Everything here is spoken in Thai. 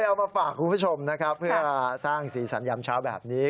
เอามาฝากคุณผู้ชมนะครับเพื่อสร้างสีสันยามเช้าแบบนี้